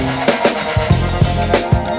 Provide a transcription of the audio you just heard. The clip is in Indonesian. nggak ada yang denger